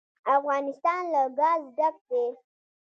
افغانستان له ګاز ډک دی.